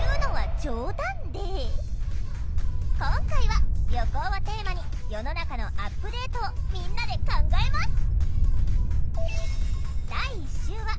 今回は「旅行」をテーマに世の中のアップデートをみんなで考えます！